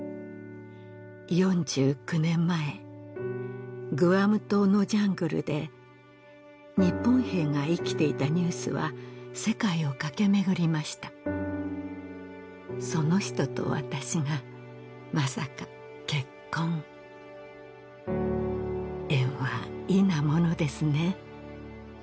４９年前グアム島のジャングルで日本兵が生きていたニュースは世界を駆け巡りましたその人と私がまさか結婚縁は異なものですね